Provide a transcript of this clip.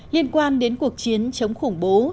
liên quan đến cuộc chiến chống khủng bố